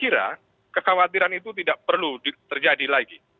saya kira kekhawatiran itu tidak perlu terjadi lagi